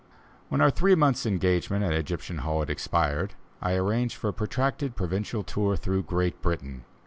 When our three months' engagement at Egyptian Hall had expired, I arranged for a protracted provincial tour through Great Britain.